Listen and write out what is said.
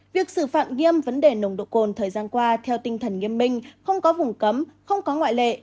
việc xử phạt nghiêm vấn đề nồng độ cồn thời gian qua theo tinh thần nghiêm minh không có vùng cấm không có ngoại lệ